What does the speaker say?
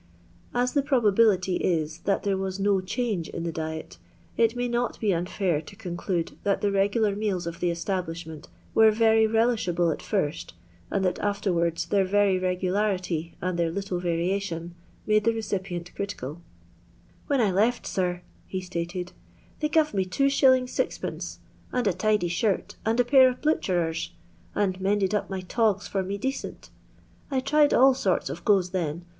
As the probability is that there was no change in the £et, it may not be unfiiir to con clude that the regular meids of the establishmsmt were very relishable at first, and that after wards their very regularity and their little Tari»> tion made the recipient criticaL "When I left, sir," he sUted, "they guv no 2s. 6d., and a tidy shirt, and a pair of bluchersn, and mended up my togs for me decent I tried all sorts of goes then.